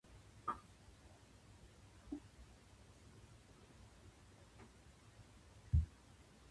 クーポン登録ページへアクセス